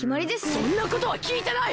そんなことはきいてない！